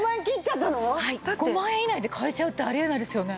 ５万円以内で買えちゃうってあり得ないですよね！？